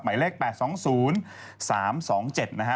หมายเลข๘๒๐๓๒๗นะฮะ